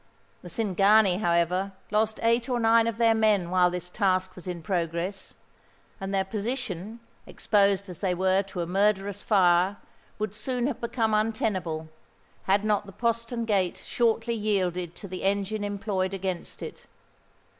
The Cingani, however, lost eight or nine of their men while this task was in progress; and their position, exposed as they were to a murderous fire, would soon have become untenable, had not the postern gate shortly yielded to the engine employed against it.